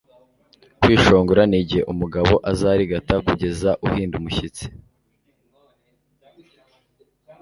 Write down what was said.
kwishongora ni igihe umugabo azarigata kugeza uhinda umushyitsi